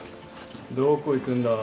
どこ行くんだ？